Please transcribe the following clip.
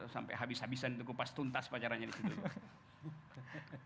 sampai habis habisan itu kupas tuntas pacarannya di situ